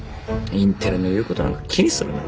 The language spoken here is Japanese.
インテリの言うことなんか気にするな。